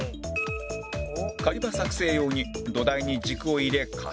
仮歯作成用に土台に軸を入れ型取り